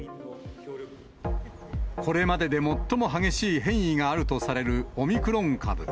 これまでで最も激しい変異があるとされるオミクロン株。